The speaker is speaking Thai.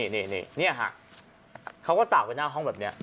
นี่นี่ฮะเขาก็ต่าไปหน้าห้องแบบนี้